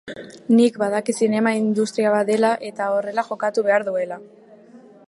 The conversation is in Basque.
Nik badakit zinema industria bat dela eta horrela jokatu behar duela.